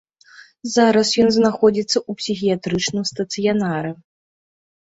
Зараз ён знаходзіцца ў псіхіятрычным стацыянары.